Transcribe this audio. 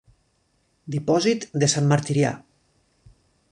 Dipòsit de Sant Martirià.